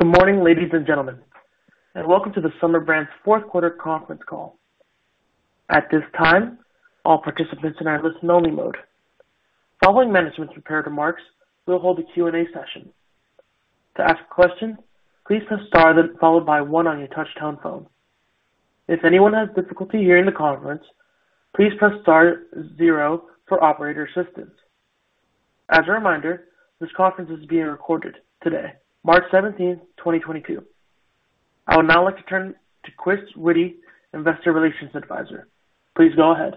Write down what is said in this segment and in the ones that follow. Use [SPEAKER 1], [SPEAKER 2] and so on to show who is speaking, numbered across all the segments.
[SPEAKER 1] Good morning, ladies and gentlemen, and welcome to the Summer Infant's fourth quarter conference call. At this time, all participants are in listen only mode. Following management's prepared remarks, we'll hold a Q&A session. To ask a question, please press star followed by one on your touchtone phone. If anyone has difficulty hearing the conference, please press star zero for operator assistance. As a reminder, this conference is being recorded today, March 17th, 2022. I would now like to turn to Chris Witty, investor relations advisor. Please go ahead.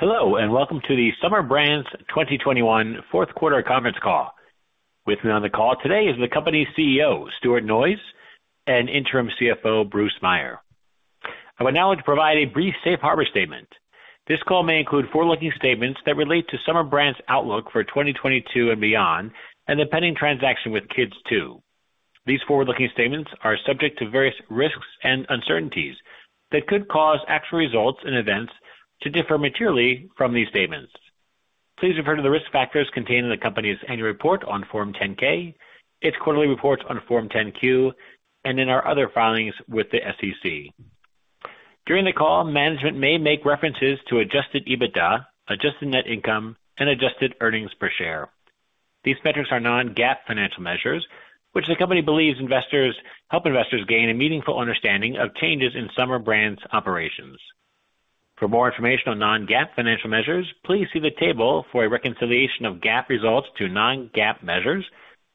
[SPEAKER 2] Hello and welcome to the Summer Infant 2021 fourth quarter conference call. With me on the call today is the company's CEO, Stuart Noyes, and interim CFO, Bruce Meier. I would now like to provide a brief safe harbor statement. This call may include forward-looking statements that relate to Summer Infant's outlook for 2022 and beyond and the pending transaction with Kids2. These forward-looking statements are subject to various risks and uncertainties that could cause actual results and events to differ materially from these statements. Please refer to the risk factors contained in the company's annual report on Form 10-K, its quarterly reports on Form 10-Q, and in our other filings with the SEC. During the call, management may make references to adjusted EBITDA, adjusted net income, and adjusted earnings per share. These metrics are non-GAAP financial measures, which the company believes help investors gain a meaningful understanding of changes in Summer Infant's operations. For more information on non-GAAP financial measures, please see the table for a reconciliation of GAAP results to non-GAAP measures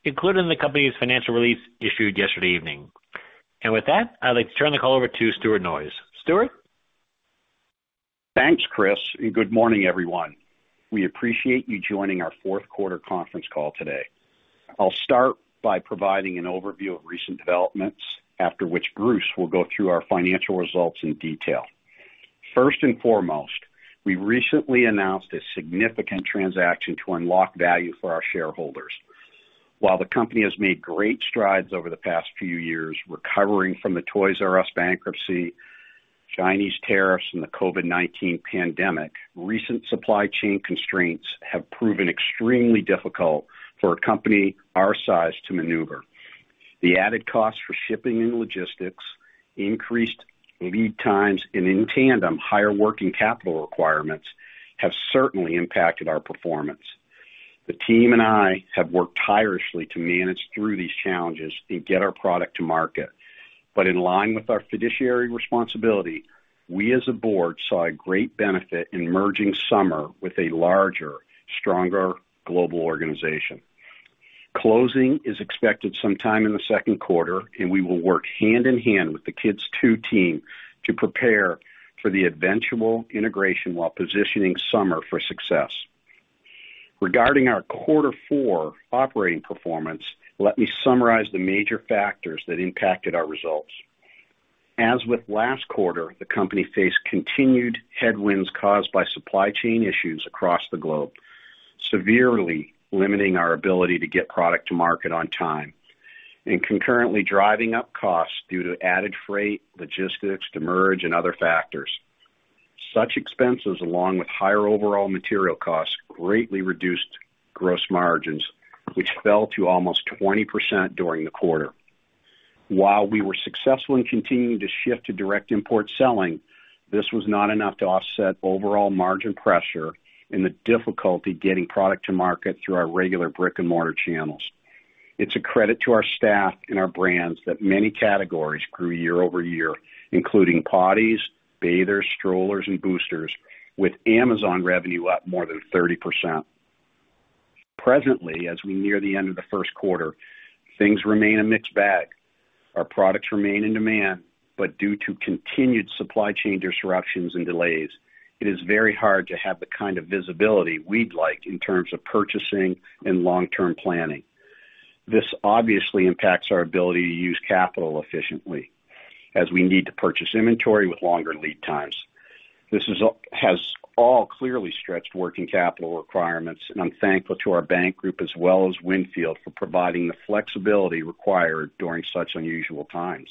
[SPEAKER 2] included in the company's financial release issued yesterday evening. With that, I'd like to turn the call over to Stuart Noyes. Stuart?
[SPEAKER 3] Thanks, Chris, and good morning, everyone. We appreciate you joining our fourth quarter conference call today. I'll start by providing an overview of recent developments, after which Bruce will go through our financial results in detail. First and foremost, we recently announced a significant transaction to unlock value for our shareholders. While the company has made great strides over the past few years, recovering from the Toys”R”Us bankruptcy, Chinese tariffs, and the COVID-19 pandemic, recent supply chain constraints have proven extremely difficult for a company our size to maneuver. The added cost for shipping and logistics, increased lead times, and in tandem, higher working capital requirements, have certainly impacted our performance. The team and I have worked tirelessly to manage through these challenges and get our product to market. In line with our fiduciary responsibility, we as a board saw a great benefit in merging Summer with a larger, stronger global organization. Closing is expected sometime in the second quarter, and we will work hand in hand with the Kids2 team to prepare for the eventual integration while positioning Summer for success. Regarding our quarter four operating performance, let me summarize the major factors that impacted our results. As with last quarter, the company faced continued headwinds caused by supply chain issues across the globe, severely limiting our ability to get product to market on time and concurrently driving up costs due to added freight, logistics, demurrage, and other factors. Such expenses, along with higher overall material costs, greatly reduced gross margins, which fell to almost 20% during the quarter. While we were successful in continuing to shift to direct import selling, this was not enough to offset overall margin pressure and the difficulty getting product to market through our regular brick-and-mortar channels. It's a credit to our staff and our brands that many categories grew year-over-year, including potties, bathers, strollers, and boosters, with Amazon revenue up more than 30%. Presently, as we near the end of the first quarter, things remain a mixed bag. Our products remain in demand, but due to continued supply chain disruptions and delays, it is very hard to have the kind of visibility we'd like in terms of purchasing and long-term planning. This obviously impacts our ability to use capital efficiently as we need to purchase inventory with longer lead times. This has all clearly stretched working capital requirements, and I'm thankful to our bank group as well as Wynnefield for providing the flexibility required during such unusual times.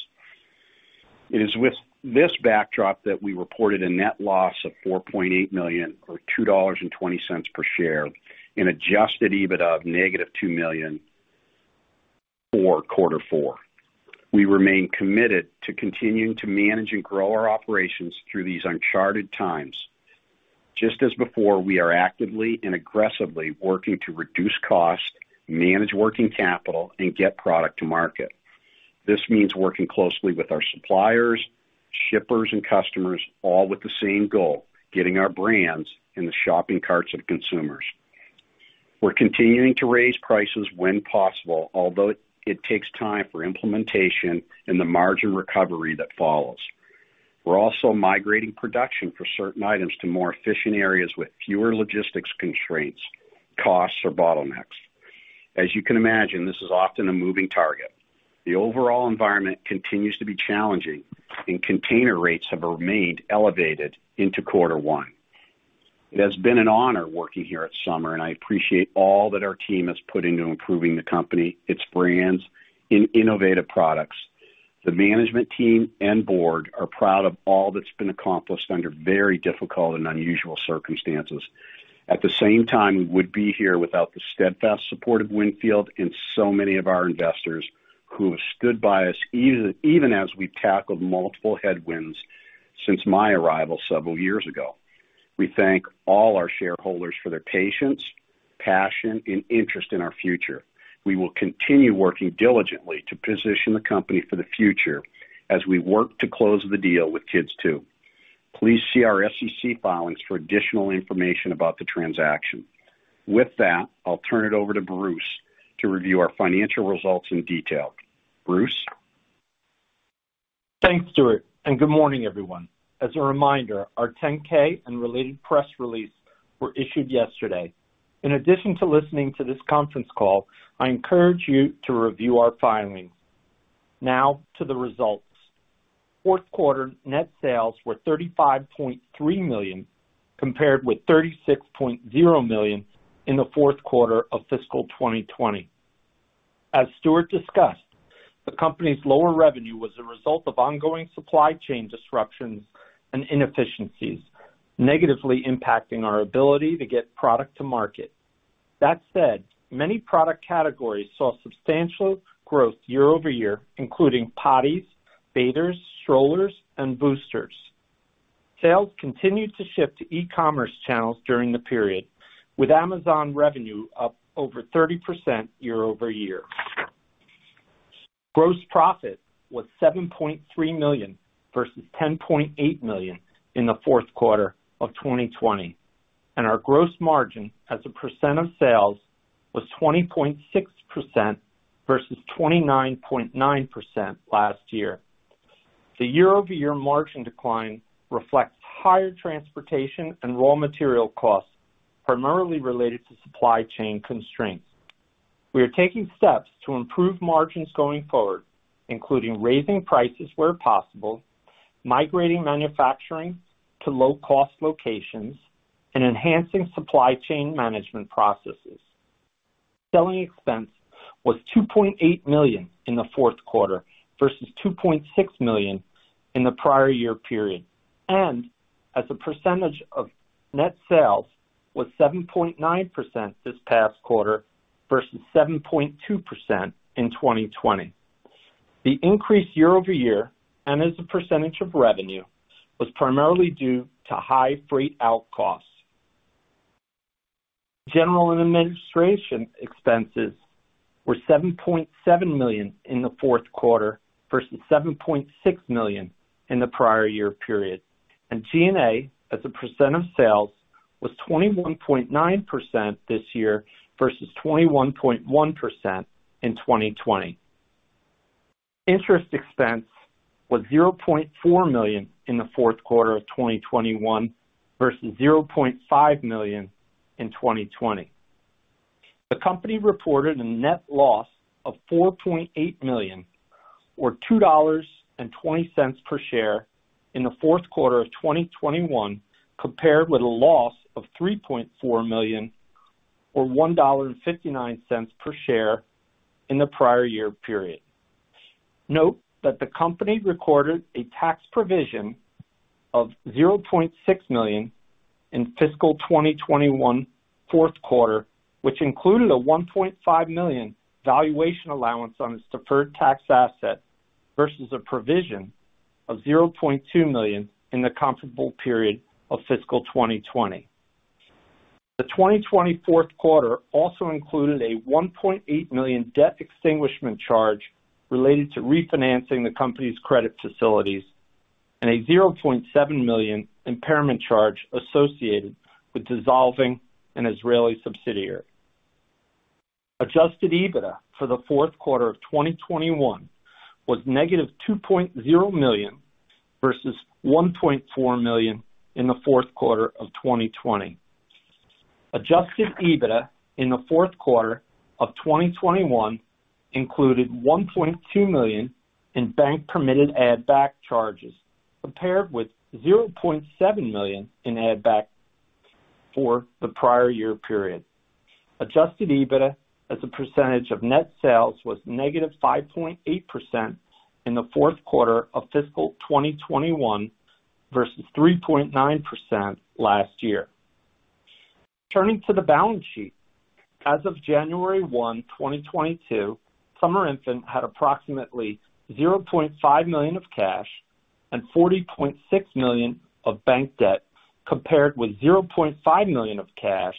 [SPEAKER 3] It is with this backdrop that we reported a net loss of $4.8 million or $2.20 per share and adjusted EBITDA of -$2 million for quarter four. We remain committed to continuing to manage and grow our operations through these uncharted times. Just as before, we are actively and aggressively working to reduce costs, manage working capital, and get product to market. This means working closely with our suppliers, shippers and customers, all with the same goal, getting our brands in the shopping carts of consumers. We're continuing to raise prices when possible, although it takes time for implementation and the margin recovery that follows. We're also migrating production for certain items to more efficient areas with fewer logistics constraints, costs or bottlenecks. As you can imagine, this is often a moving target. The overall environment continues to be challenging and container rates have remained elevated into quarter one. It has been an honor working here at Summer, and I appreciate all that our team has put into improving the company, its brands and innovative products. The management team and board are proud of all that's been accomplished under very difficult and unusual circumstances. At the same time, we wouldn't be here without the steadfast support of Wynnefield and so many of our investors who have stood by us, even as we tackled multiple headwinds since my arrival several years ago. We thank all our shareholders for their patience, passion, and interest in our future. We will continue working diligently to position the company for the future as we work to close the deal with Kids2. Please see our SEC filings for additional information about the transaction. With that, I'll turn it over to Bruce to review our financial results in detail. Bruce?
[SPEAKER 4] Thanks, Stuart, and good morning, everyone. As a reminder, our 10-K and related press release were issued yesterday. In addition to listening to this conference call, I encourage you to review our filing. Now to the results. Fourth quarter net sales were $35.3 million, compared with $36.0 million in the fourth quarter of fiscal 2020. As Stuart discussed, the company's lower revenue was a result of ongoing supply chain disruptions and inefficiencies, negatively impacting our ability to get product to market. That said, many product categories saw substantial growth year-over-year, including potties, bathers, strollers, and boosters. Sales continued to shift to e-commerce channels during the period, with Amazon revenue up over 30% year-over-year. Gross profit was $7.3 million versus $10.8 million in the fourth quarter of 2020, and our gross margin as a % of sales was 20.6% versus 29.9% last year. The year-over-year margin decline reflects higher transportation and raw material costs, primarily related to supply chain constraints. We are taking steps to improve margins going forward, including raising prices where possible, migrating manufacturing to low-cost locations, and enhancing supply chain management processes. Selling expense was $2.8 million in the fourth quarter versus $2.6 million in the prior year period, and as a percentage of net sales was 7.9% this past quarter versus 7.2% in 2020. The increase year-over-year, and as a percentage of revenue, was primarily due to high freight out costs. General and administrative expenses were $7.7 million in the fourth quarter versus $7.6 million in the prior year period, and G&A, as a percent of sales, was 21.9% this year versus 21.1% in 2020. Interest expense was $0.4 million in the fourth quarter of 2021 versus $0.5 million in 2020. The company reported a net loss of $4.8 million, or $2.20 per share in the fourth quarter of 2021, compared with a loss of $3.4 million or $1.59 per share in the prior year period. Note that the company recorded a tax provision of $0.6 million in fiscal 2021 fourth quarter, which included a $1.5 million valuation allowance on its deferred tax asset versus a provision of $0.2 million in the comparable period of fiscal 2020. The 2020 fourth quarter also included a $1.8 million debt extinguishment charge related to refinancing the company's credit facilities and a $0.7 million impairment charge associated with dissolving an Israeli subsidiary. Adjusted EBITDA for the fourth quarter of 2021 was negative $2.0 million versus $1.4 million in the fourth quarter of 2020. Adjusted EBITDA in the fourth quarter of 2021 included $1.2 million in bank permitted add back charges, compared with $0.7 million in add back for the prior year period. Adjusted EBITDA as a percentage of net sales was negative 5.8% in the fourth quarter of fiscal 2021 versus 3.9% last year. Turning to the balance sheet. As of January 1, 2022, Summer Infant had approximately $0.5 million of cash and $40.6 million of bank debt, compared with $0.5 million of cash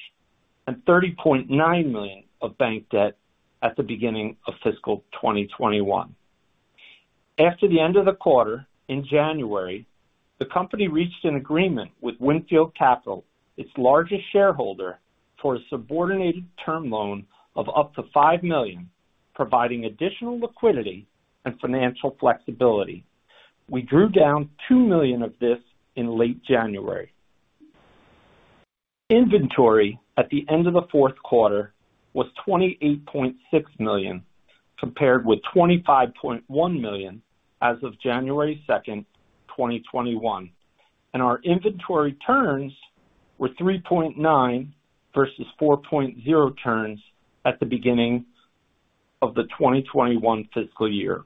[SPEAKER 4] and $30.9 million of bank debt at the beginning of fiscal 2021. After the end of the quarter, in January, the company reached an agreement with Wynnefield Capital, its largest shareholder, for a subordinated term loan of up to $5 million, providing additional liquidity and financial flexibility. We drew down $2 million of this in late January. Inventory at the end of the fourth quarter was $28.6 million, compared with $25.1 million as of January 2nd, 2021. Our inventory turns were 3.9 versus 4.0 turns at the beginning of the 2021 fiscal year.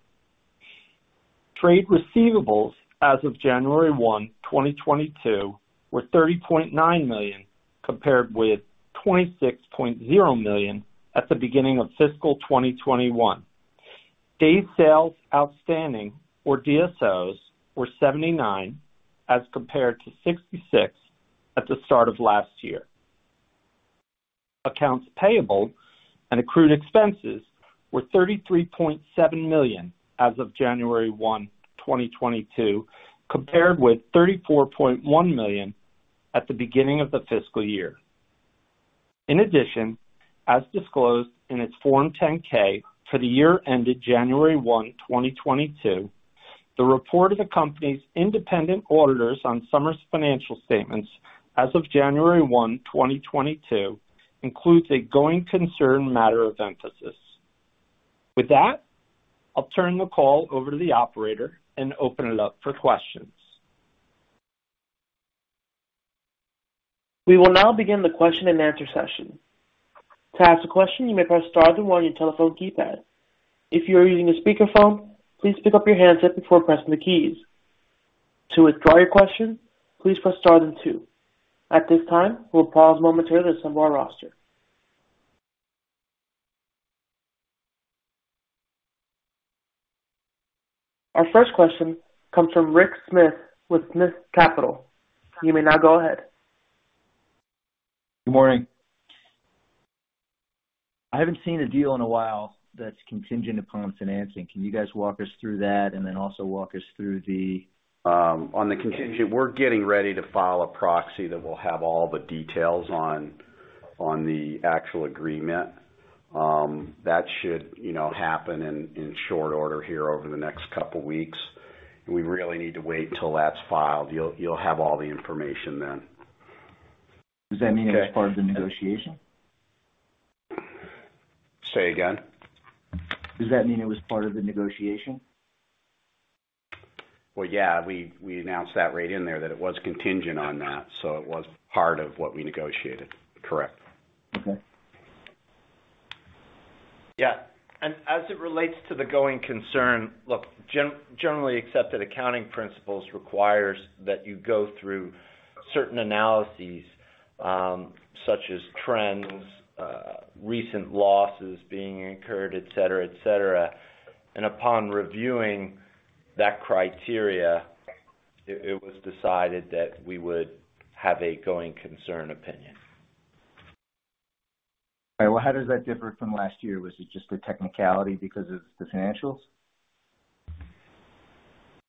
[SPEAKER 4] Trade receivables as of January 1, 2022 were $30.9 million, compared with $26.0 million at the beginning of fiscal 2021. Days sales outstanding, or DSOs, were 79 as compared to 66 at the start of last year. Accounts payable and accrued expenses were $33.7 million as of January 1, 2022, compared with $34.1 million at the beginning of the fiscal year. In addition, as disclosed in its Form 10-K for the year ended January 1, 2022, the report of the company's independent auditors on Summer's financial statements as of January 1, 2022, includes a going concern matter of emphasis. With that, I'll turn the call over to the operator and open it up for questions.
[SPEAKER 1] We will now begin the question and answer session. To ask a question, you may press star then one on your telephone keypad. If you are using a speakerphone, please pick up your handset before pressing the keys. To withdraw your question, please press star then two. At this time, we'll pause momentarily to assemble our roster. Our first question comes from Rick Smith with Smith Capital. You may now go ahead.
[SPEAKER 5] Good morning. I haven't seen a deal in a while that's contingent upon financing. Can you guys walk us through that and then also walk us through the-
[SPEAKER 3] On the contingent, we're getting ready to file a proxy that will have all the details on the actual agreement. That should, you know, happen in short order here over the next couple weeks. We really need to wait until that's filed. You'll have all the information then.
[SPEAKER 5] Does that mean it was part of the negotiation?
[SPEAKER 3] Say again?
[SPEAKER 5] Does that mean it was part of the negotiation?
[SPEAKER 3] Well, yeah, we announced that right in there that it was contingent on that. It was part of what we negotiated, correct.
[SPEAKER 5] Okay.
[SPEAKER 3] Yeah. As it relates to the going concern, look, generally accepted accounting principles requires that you go through certain analyses, such as trends, recent losses being incurred, et cetera, et cetera. Upon reviewing that criteria, it was decided that we would have a going concern opinion.
[SPEAKER 5] All right. Well, how does that differ from last year? Was it just a technicality because of the financials?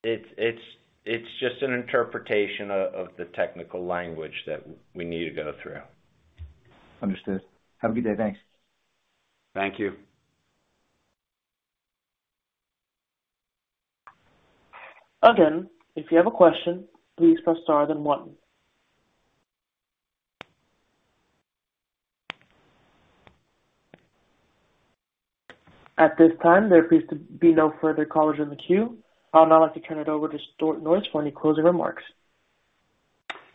[SPEAKER 3] It's just an interpretation of the technical language that we need to go through.
[SPEAKER 5] Understood. Have a good day. Thanks.
[SPEAKER 3] Thank you.
[SPEAKER 1] Again, if you have a question, please press star then one. At this time, there appears to be no further callers in the queue. I would now like to turn it over to Stuart Noyes for any closing remarks.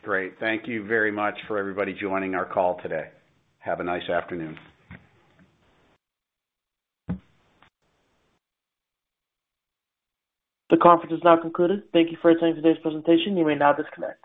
[SPEAKER 3] Great. Thank you very much for everybody joining our call today. Have a nice afternoon.
[SPEAKER 1] The conference is now concluded. Thank you for attending today's presentation. You may now disconnect.